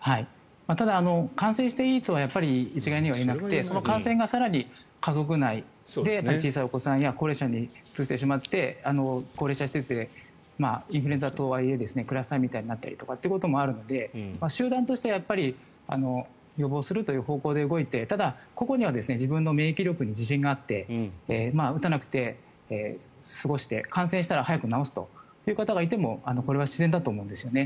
ただ、感染していいとは一概には言えなくて感染が更に家族内で小さいお子さんや高齢者にうつしてしまって高齢者施設でインフルエンザとはいえクラスターみたいなことになったりということもあるので集団としては予防するという方向で動いてただ、個々には自分の免疫力には自信があって打たなくて過ごして感染したら早く治すという方がいてもこれは自然だと思うんですよね。